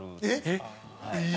えっ！